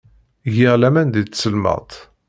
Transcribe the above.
Giɣ laman deg tselmadt.